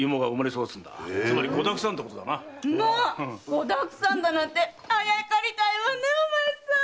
“子沢山”なんてあやかりたいわねお前さん！